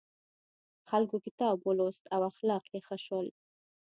خلکو کتاب ولوست او اخلاق یې ښه شول.